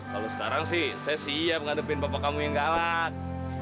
kalau sekarang sih saya siap menghadapi bapak kamu yang galak